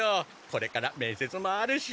これから面接もあるし。